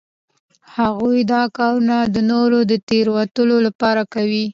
هغوی دا کارونه د نورو د تیروتلو لپاره کوي